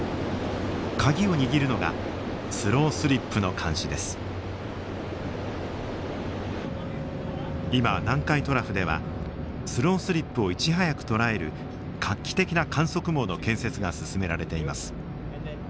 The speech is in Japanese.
鍵を握るのが今南海トラフではスロースリップをいち早く捉える画期的な観測網の建設が進められています。